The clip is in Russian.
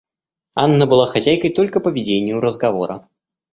Анна была хозяйкой только по ведению разговора.